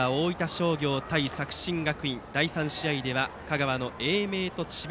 商業と作新学院第３試合は香川の英明と智弁